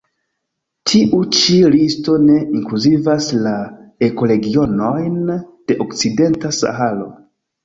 Tiu ĉi listo ne inkluzivas la ekoregionojn de Okcidenta Saharo.